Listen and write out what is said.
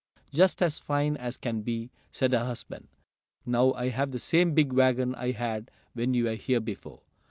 "Just as fine as can be!" said her husband. "Now I have the same big wagon I had when you were here before.